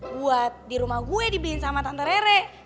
buat di rumah gue dibikin sama tante rere